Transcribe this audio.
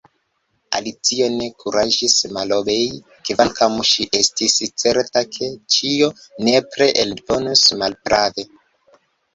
Alicio ne kuraĝis malobei, kvankam ŝi estis certa ke ĉio nepre elvenos malprave.